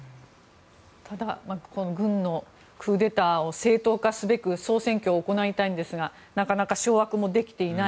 ただ、軍のクーデターを正当化すべく総選挙を行いたいんですがなかなか掌握もできていない。